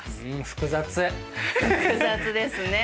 複雑ですね。